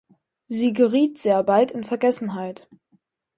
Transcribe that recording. Sie geriet sehr bald in Vergessenheit.